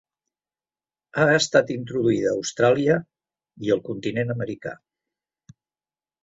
Ha estat introduïda a Austràlia i el continent americà.